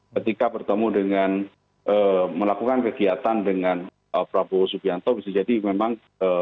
ketika bertemu dengan melakukan kegiatan dengan prabowo subianto bisa jadi memang